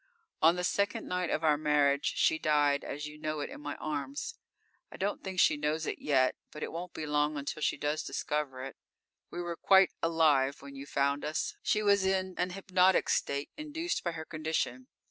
_ _On the second night of our marriage, she died as you know it, in my arms. I don't think she knows it yet. But it won't be long until she does discover it. We were quite alive when you found us; she was in an hypnotic state induced by her condition.